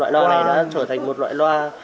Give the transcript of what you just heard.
loại loa này đã trở thành một loa